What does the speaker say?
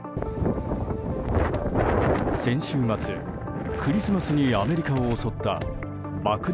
先週末、クリスマスにアメリカを襲った爆弾